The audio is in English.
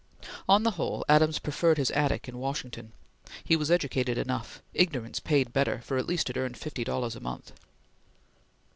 On the whole, Adams preferred his attic in Washington. He was educated enough. Ignorance paid better, for at least it earned fifty dollars a month.